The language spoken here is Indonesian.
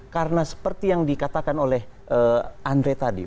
karena seperti yang dikatakan oleh andre tadi